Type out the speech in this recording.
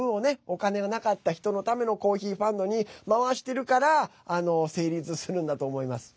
お金のなかった人のためのコーヒーファンドに回しているから成立するんだと思います。